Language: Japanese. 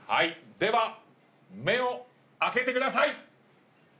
では目を開けてください！